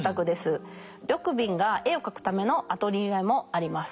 緑敏が絵を描くためのアトリエもあります。